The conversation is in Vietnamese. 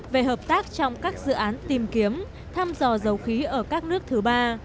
về hợp tác trong các dự án tìm kiếm thăm dò dầu khí ở các nước thứ ba